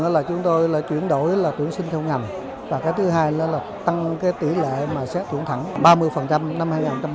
thứ một là chúng tôi là chuyển đổi là tuyển sinh theo ngành và cái thứ hai là tăng cái tỷ lệ mà xét chuẩn thẳng ba mươi năm hai nghìn một mươi chín